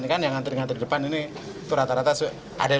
ini kan yang nanti nanti depan ini itu rata rata ada yang sudah bayar